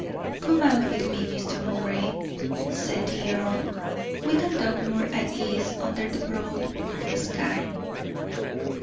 "Come out with me, Mr. Moray," said the earl; "we can talk more at ease under the broad blue sky."